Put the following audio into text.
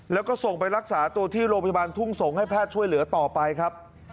แล้วก็ส่งไปรักษาตัวที่โรงพยาบาลทุ่งสงศ์ให้แพทย์ช่วยเหลือต่อไปครับ